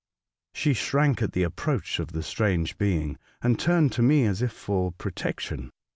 She shrank at the approach of the strange being, and turned to me as if for protection.